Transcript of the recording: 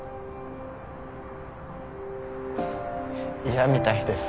嫌みたいです。